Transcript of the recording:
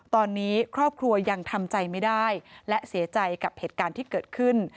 ตอนนี้ครอบครัวยังทำใจไม่ได้และเสียใจกับเหตุการณ์ที่เกิดขึ้น